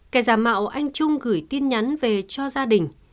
kẻ giả mạo anh trung gửi tin nhắn về cho gia đình